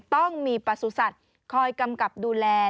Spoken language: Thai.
ต้องมีประสุทธิ์คอยกำกับดูแล